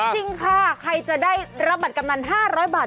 จริงค่ะใครจะได้รับบัตรกำนัน๕๐๐บาท